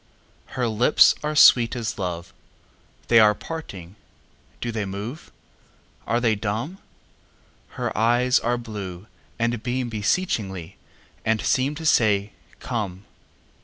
Her lips are sweet as love; They are parting! Do they move? Are they dumb? Her eyes are blue, and beamBeseechingly, and seemTo say, "Come!"